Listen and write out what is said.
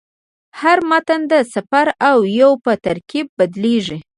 هر متن د صفر او یو په ترکیب بدلېږي.